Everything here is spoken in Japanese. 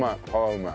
うまい。